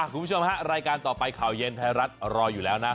คุณผู้ชมฮะรายการต่อไปข่าวเย็นไทยรัฐรออยู่แล้วนะ